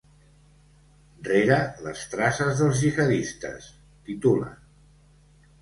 Rere les traces dels gihadistes, titulen.